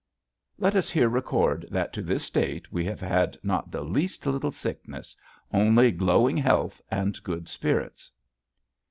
Let us here record that to this date we have had not the least little sickness, only glowing health and good spirits.